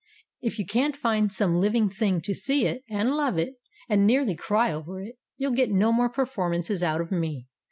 If you can't find some living thing to see it and love it and nearly cry over it, you'll get no more performances out of me.